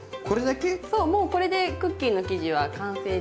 そうもうこれでクッキーの生地は完成です。